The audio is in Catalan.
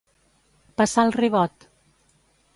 Passar el ribot.